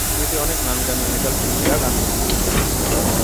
এতে অনেক নামী দামী মেটাল শিল্পীরা গান পরিবেশন করেন।